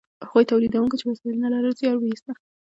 هغو تولیدونکو چې وسایل نه لرل زیار ویسته.